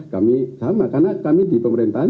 kami sama karena kami di pemerintahan